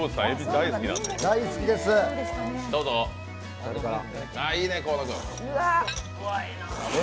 大好きですー。